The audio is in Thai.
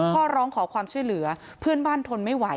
ร้องขอความช่วยเหลือเพื่อนบ้านทนไม่ไหว